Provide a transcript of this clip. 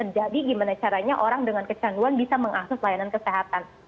jadi gimana caranya orang dengan kecanduan bisa mengakses layanan kesehatan